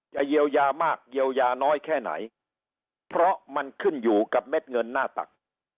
เยียวยามากเยียวยาน้อยแค่ไหนเพราะมันขึ้นอยู่กับเม็ดเงินหน้าตัก